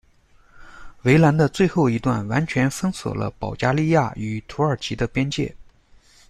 围栏的最后一段完全封锁了保加利亚与土耳其的边界。